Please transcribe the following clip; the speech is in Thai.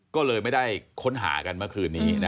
ก็เลยไม่ได้ค้นหากันเมื่อคืนนี้